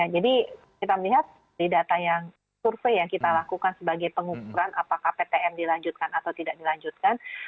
jadi kita melihat di data yang survei yang kita lakukan sebagai pengukuran apakah ptm dilanjutkan atau tidak dilanjutkan